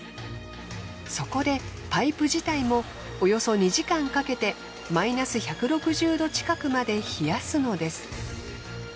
そこでパイプ自体もおよそ２時間かけてマイナス１６０℃近くまで冷やすのです。